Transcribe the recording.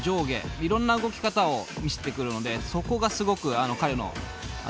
いろんな動き方を見せてくるのでそこがすごく彼の持ち味です。